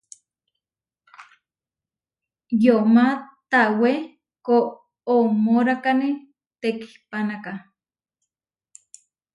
Yomá tawé koʼomórakane tekihpánaka.